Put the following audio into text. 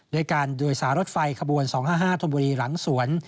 ด้วยการโดยสารรถไฟขบวน๒๕๕ธนบุรีหลังสวน